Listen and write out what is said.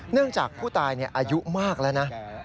เนื่องจากผู้ตายอายุมากแล้วนะ